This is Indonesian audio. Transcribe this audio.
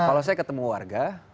kalau saya ketemu warga